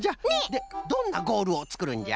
でどんなゴールをつくるんじゃ？